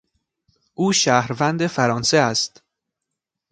او شهروند فرانسه است.